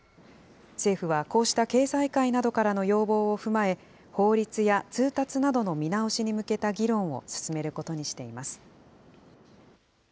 政府はこうした経済界などからの要望を踏まえ、法律や通達などの見直しに向けた議論を進めることにしています。